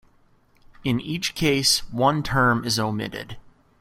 In each case, one term is omitted.